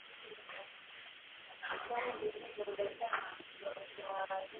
nza ni seme huwa siziamini na